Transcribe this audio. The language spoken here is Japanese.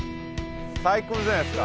最高じゃないですか。